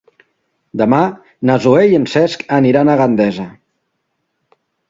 Demà na Zoè i en Cesc aniran a Gandesa.